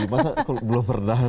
masa belum pernah